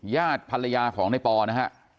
ญาติภรรยาของนายปอนะครับ